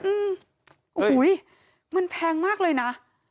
อุ้ยมันแพงมากเลยนะ